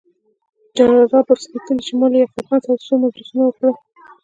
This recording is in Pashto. جنرال رابرټس لیکي چې ما له یعقوب خان سره څو مجلسونه وکړل.